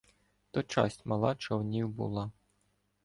То часть мала човнів була.